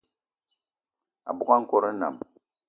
Abogo a nkòt nnam